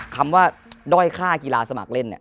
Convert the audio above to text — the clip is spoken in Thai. คำว่าด้อยค่ากีฬาสมัครเล่นเนี่ย